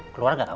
keluar gak kamu